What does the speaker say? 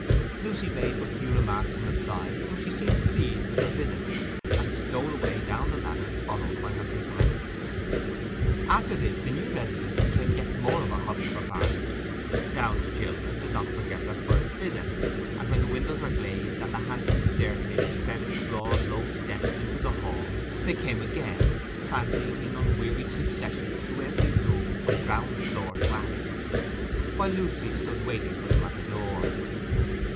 Lucy made but few remarks in reply, though she seemed pleased with her visit, and stole away down the ladder, followed by her companions. After this the new residence became yet more of a hobby for Barnet. Downe's children did not forget their first visit, and when the windows were glazed, and the handsome staircase spread its broad low steps into the hall, they came again, prancing in unwearied succession through every room from ground floor to attics, while Lucy stood waiting for them at the door.